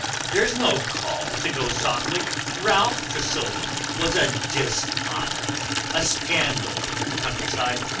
"There's no call to go softly. Ralph Tressilian was a dishonour, a scandal to the countryside.